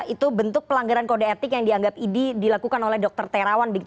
itu bentuk pelanggaran kode etik yang dianggap idi dilakukan oleh dr terawan